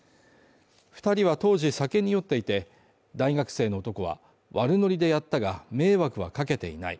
２人は当時酒に酔っていて、大学生の男は、悪ノリでやったが、迷惑はかけていない。